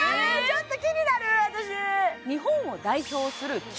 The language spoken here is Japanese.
ちょっと気になる